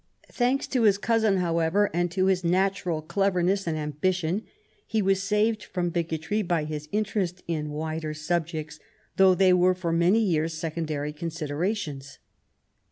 Thanks to his cousin, however, and to his natural cleverness and ambition, he was saved from, bigotry by his interest in wider subjects, though they were for many years secondary considerations.